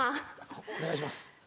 お願いします。